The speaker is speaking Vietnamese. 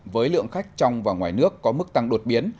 với lượng khách trong và ngoài nước có mức tăng đột biến